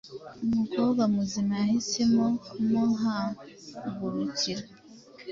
umukobwa muzima yahisemo kumuhagurukira